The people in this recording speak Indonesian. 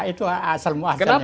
itu asal muasanya